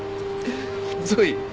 ゾイ？